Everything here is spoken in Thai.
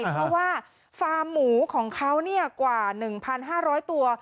เพราะว่าฟาร์มหมูของเขากว่า๑๕๐๐ตัว